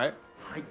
はい。